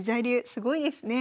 すごいですね。